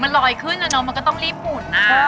มันลอยขึ้นนะเนาะมันก็ต้องรีบหมุน